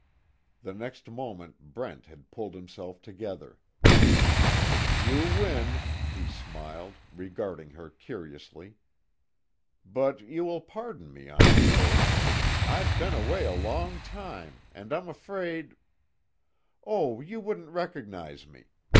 The next moment Brent had pulled himself together: "You win," he smiled, regarding her curiously, "But, you will pardon me I'm sure. I've been away a long time, and I'm afraid " "Oh, you wouldn't recognize me.